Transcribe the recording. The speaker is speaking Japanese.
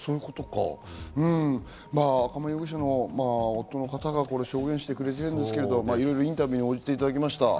赤間容疑者の夫の方が証言してくれているんですけど、インタビューに応じていただきましたね。